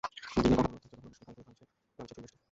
দিনে কখনো রোদ থাকছে, কখনো আকাশ কালো করে নামছে ঝুম বৃষ্টি।